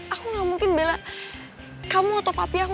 aku gak mungkin bela kamu atau papi aku